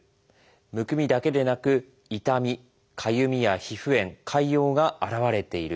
むくみだけでなく痛みかゆみや皮膚炎潰瘍が現れている。